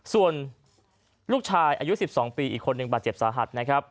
ส่วนลูกชายอายุ๑๒ปีอีกคนหนึ่งบาดเจ็บสาหัสนะครับ